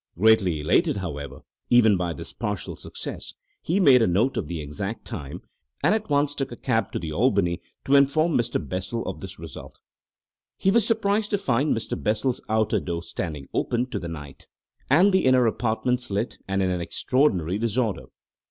Greatly elated, however, even by this partial success, he made a note of the exact time, and at once took a cab to the Albany to inform Mr. Bessel of this result. He was surprised to find Mr. Bessel's outer door standing open to the night, and the inner apartments lit and in an extraordinary disorder.